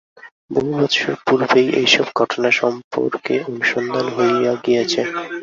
বহু বৎসর পূর্বেই এইসব ঘটনা সম্পর্কে অনুসন্ধান হইয়া গিয়াছে।